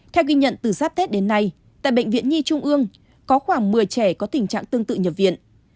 theo ghi nhận từ sắp tết đến nay tại bệnh viện nhi trung ương có khoảng một mươi trẻ có tình trạng tương tự nhập viện